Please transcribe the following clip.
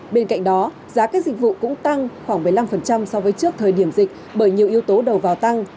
bên cạnh đó giá các dịch vụ cũng tăng khoảng một mươi năm so với trước thời điểm dịch bởi nhiều yếu tố đầu vào tăng